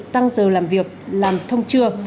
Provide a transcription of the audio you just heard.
tăng giờ làm việc làm thông trưa